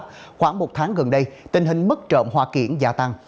ở sà đét tỉnh đồng tháp khoảng một tháng gần đây tình hình mất trợm hoa kiển gia tăng